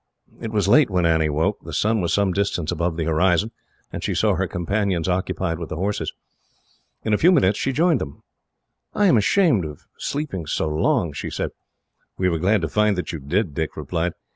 It was late when Annie awoke. The sun was some distance above the horizon, and she saw her companions occupied with the horses. In a few minutes she joined them. "I am ashamed at sleeping so long," she said. "We were glad to find that you did," Dick replied.